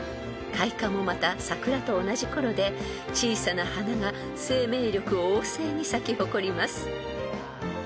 ［開花もまた桜と同じころで小さな花が生命力旺盛に咲き誇ります］